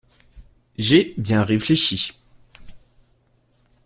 J’ai bien réfléchi.